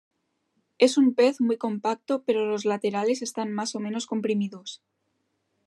Es un pez muy compacto pero los laterales están más o menos comprimidos.